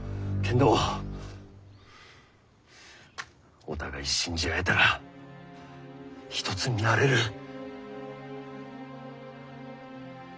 けんどお互い信じ合えたら一つになれる。